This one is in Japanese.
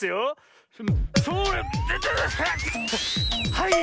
はい！